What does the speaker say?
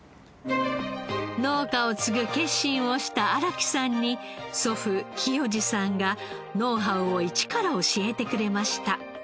農家を継ぐ決心をした荒木さんに祖父清二さんがノウハウを一から教えてくれました。